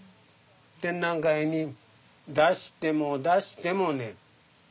展覧会に出しても出してもね